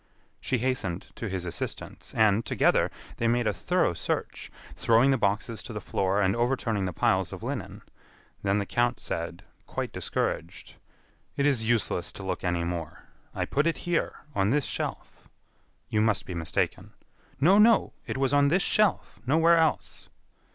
She hastened to his assistance, and, together, they made a thorough search, throwing the boxes to the floor and overturning the piles of linen. Then the count said, quite discouraged: "It is useless to look any more. I put it here, on this shelf." "You must be mistaken." "No, no, it was on this shelf nowhere else."